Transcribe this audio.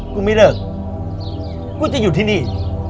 กูไม่เลิกกูจะอยู่ที่นี่